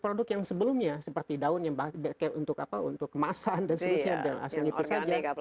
tapi produk yang sebelumnya seperti daun untuk kemasan dan sebagainya